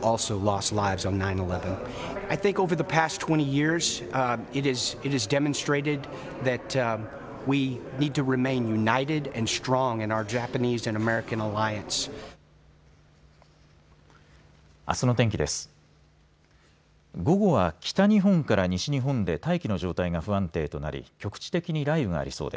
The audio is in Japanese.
午後は北日本から西日本で大気の状態が不安定となり局地的に雷雨がありそうです。